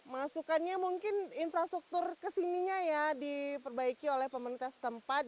masukannya mungkin infrastruktur kesininya ya diperbaiki oleh pemerintah setempat